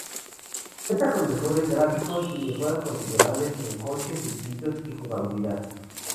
Cuenta con mejores gráficos y mejoras considerables en coches, circuitos y jugabilidad.